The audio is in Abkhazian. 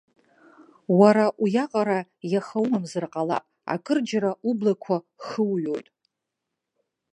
Уара уиаҟара иаха умамзар ҟалап, акырџьара ублақәа хуҩоит.